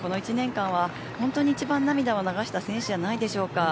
この１年間は本当に一番涙を流した選手じゃないでしょうか。